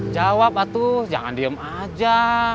jawab aduh jangan diem aja